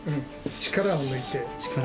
力を抜いて。